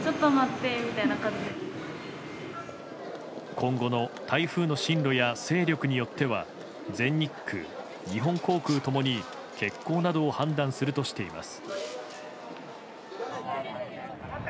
今後の台風の進路や勢力によっては全日空、日本航空共に欠航などを判断するとしています。